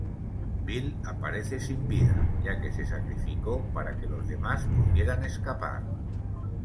Bill aparece sin vida, ya que se sacrificó para que los demás pudieran escapar.